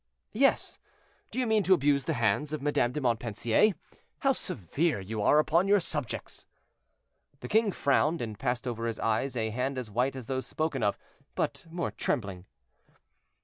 "Yes, do you mean to abuse the hands of Madame de Montpensier? How severe you are upon your subjects." The king frowned, and passed over his eyes a hand as white as those spoken of, but more trembling.